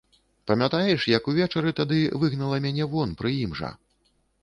Памятаеш, як увечары тады выгнала мяне вон, пры ім жа?